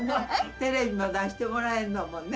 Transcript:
テレビも出してもらえんのもね